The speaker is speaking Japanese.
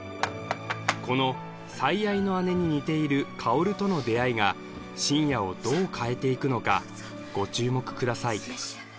この最愛の姉に似ている香との出会いが信也をどう変えていくのかご注目ください